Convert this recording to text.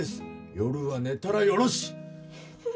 夜は寝たらよろし！